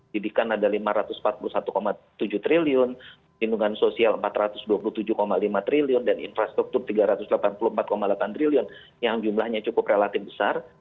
jadi kan ada rp lima ratus empat puluh satu tujuh triliun pindungan sosial rp empat ratus dua puluh tujuh lima triliun dan infrastruktur rp tiga ratus delapan puluh empat delapan triliun yang jumlahnya cukup relatif besar